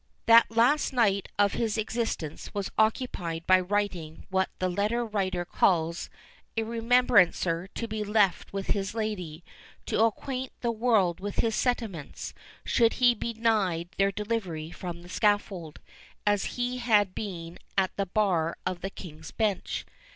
That last night of his existence was occupied by writing what the letter writer calls "a remembrancer to be left with his lady, to acquaint the world with his sentiments, should he be denied their delivery from the scaffold, as he had been at the bar of the King's Bench."